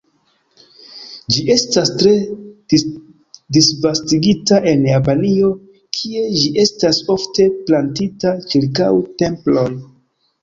Ĝi estas tre disvastigita en Japanio, kie ĝi estas ofte plantita ĉirkaŭ temploj.